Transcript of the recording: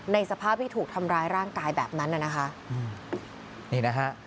ในสภาพที่ถูกทำร้ายร่างกายแบบนั้นน่ะนะคะ